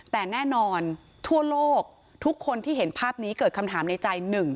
แต่แน่นอนทั่วโลกทุกคนที่เห็นภาพนี้เกิดคำถามในใจหนึ่ง